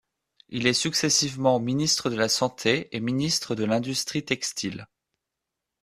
Il est successivement ministre de la Santé et ministre de l'Industrie textile.